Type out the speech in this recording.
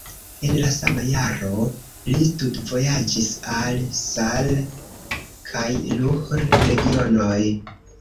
En la sama jaro li studvojaĝis al Saar kaj Ruhr-regionoj.